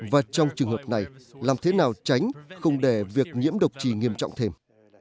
và trong trường hợp này làm thế nào tránh không để việc nhiễm độc trì nghiêm trọng thêm